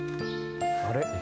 あれ？